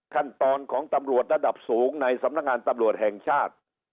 ขั้นตอนของตำรวจระดับสูงในสำนักงานตำรวจแห่งชาติ